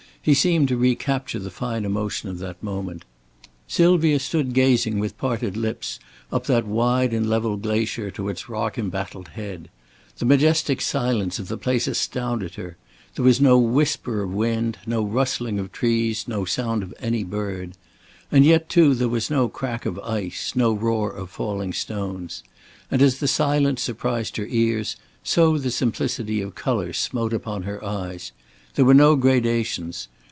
He seemed to recapture the fine emotion of that moment. Sylvia stood gazing with parted lips up that wide and level glacier to its rock embattled head. The majestic silence of the place astounded her. There was no whisper of wind, no rustling of trees, no sound of any bird. As yet too there was no crack of ice, no roar of falling stones. And as the silence surprised her ears, so the simplicity of color smote upon her eyes. There were no gradations.